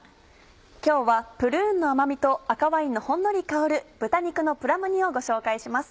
今日はプルーンの甘みと赤ワインのほんのり香る「豚肉のプラム煮」をご紹介します。